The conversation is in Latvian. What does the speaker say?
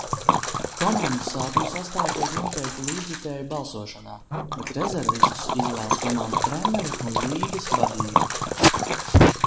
Komandu sākumsastāvi tiek noteikti līdzjutēju balsošanā, bet rezervistus izvēlas komandu treneri un līgas vadība.